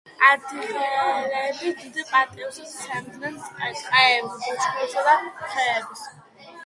ადიღეელები დიდ პატივს სცემდნენ ტყეებს, ბუჩქებსა და ხეებს.